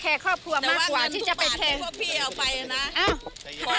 เออนั่นแหละเดี๋ยวก็รู้